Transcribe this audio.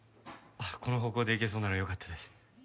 この方向でいけそうならよかったです。